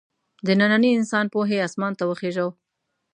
د ننني انسان پوهې اسمان ته وخېژو.